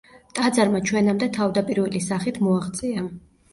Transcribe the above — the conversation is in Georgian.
ტაძარმა ჩვენამდე თავდაპირველი სახით მოაღწია.